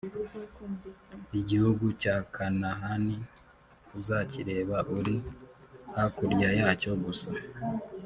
igihugu cya kanahani uzakireba uri hakurya yacyo gusa,